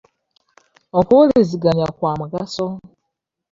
Okuwuliziganya kwa mugaso.